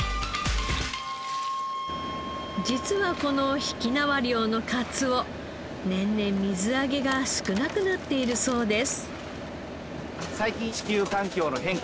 実はこの曳縄漁のかつお年々水揚げが少なくなっているそうです。